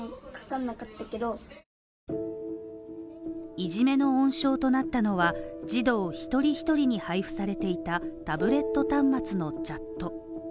いじめの温床となったのは、児童一人一人に配布されていたタブレット端末のチャット